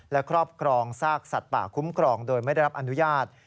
และครอบครองซากสัตว์ป่าคุ้มครองโดยไม่ได้รับอนุญาต